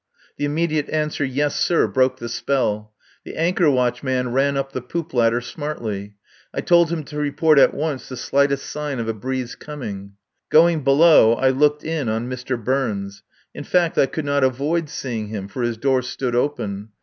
The immediate answer, "Yes, sir," broke the spell. The anchor watch man ran up the poop ladder smartly. I told him to report at once the slightest sign of a breeze coming. Going below I looked in on Mr. Burns. In fact, I could not avoid seeing him, for his door stood open.